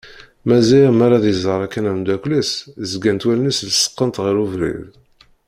Maziɣ mi ara ad iẓer akken amddakel-is zgant wallen-is lesqent ɣer ubrid.